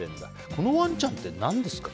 このワンちゃんって何ですか？